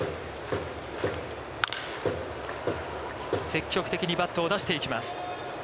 積極的にバットを出していきます。